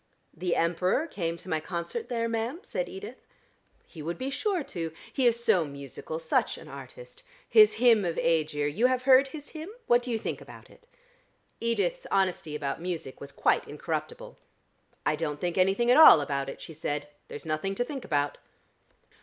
"The Emperor came to my concert there, ma'am," said Edith. "He would be sure to. He is so musical: such an artist. His hymn of Aegir. You have heard his hymn? What do you think about it?" Edith's honesty about music was quite incorruptible. "I don't think anything at all about it," she said. "There's nothing to think about."